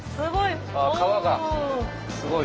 すごい。